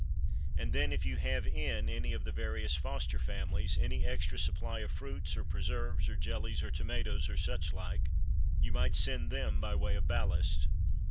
And then, if you have in any of the various Foster families any extra supply of fruits, or preserves, or jellies, or tomatoes, or such like, you might send them by way of ballast."